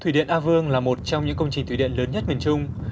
thủy điện a vương là một trong những công trình thủy điện lớn nhất miền trung